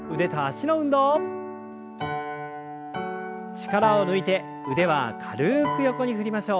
力を抜いて腕は軽く横に振りましょう。